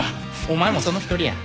お前もその一人や。